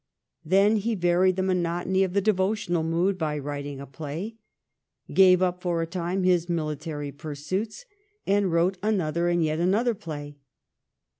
Then he varied the monotony of the devotional mood by writing a play, gave up for a time his military pursuits and wrote another and yet another play.